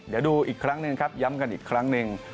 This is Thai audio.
เดี๋ยวดูอีกครั้งหนึ่งครับย้ำกันอีกครั้งหนึ่ง